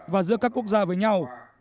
và giữa các quốc gia với nhau